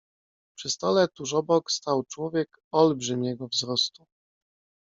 "Przy stole, tuż obok, stał człowiek olbrzymiego wzrostu."